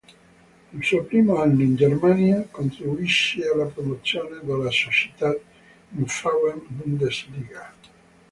Al suo primo anno in Germania contribuisce alla promozione della società in Frauen-Bundesliga.